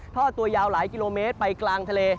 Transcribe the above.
ท่อตัวยาวหลายกิโลเมตรไปกลางทะเล